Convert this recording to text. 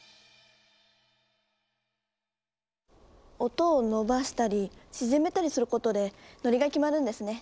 音を伸ばしたり縮めたりすることでノリが決まるんですね。